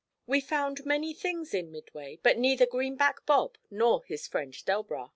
We found many things in Midway, but neither Greenback Bob nor his friend Delbras.